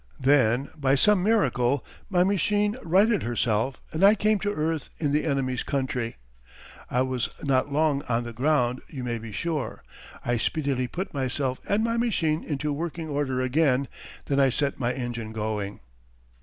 Then by some miracle my machine righted herself and I came to earth in the enemy's country. I was not long on the ground you may be sure. I speedily put myself and my machine into working order again; then I set my engine going.